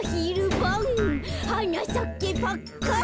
「はなさけパッカン」